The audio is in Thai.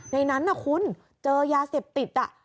ในนั้นนะคุณเจอยาเสพติด